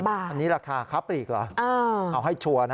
อันนี้ราคาค้าปลีกเหรอเอาให้ชัวร์นะ